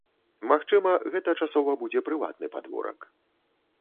Магчыма, гэта часова будзе прыватны падворак.